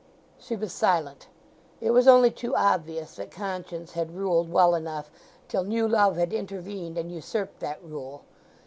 She was silent. It was only too obvious that conscience had ruled well enough till new love had intervened and usurped that rule.